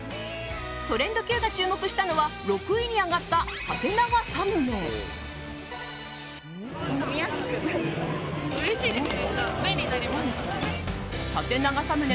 トレンドＱが注目したのは６位に挙がった縦長サムネ。